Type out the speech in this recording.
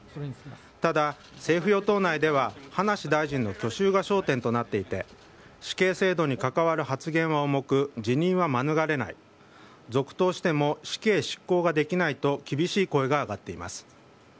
ただ、政府・与党内では葉梨大臣の去就が焦点となっていて死刑制度に関わる発言は重く辞任は免れない続投しても死刑執行ができないと厳しい声が上がっています。